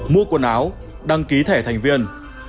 mua quần áo đăng ký thẻ thành viên